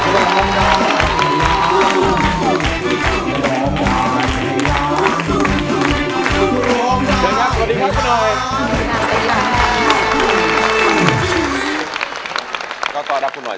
สวัสดีครับคุณหน่อย